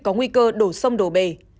có nguy cơ đổ sông đổ bề